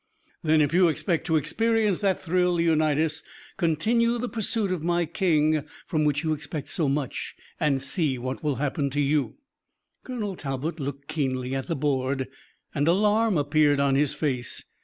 "Then if you expect to experience that thrill, Leonidas, continue the pursuit of my king, from which you expect so much, and see what will happen to you." Colonel Talbot looked keenly at the board, and alarm appeared on his face.